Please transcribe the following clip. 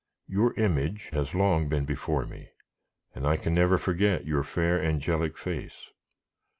Your image has long been before me, and I can never forget your fair, angelic face.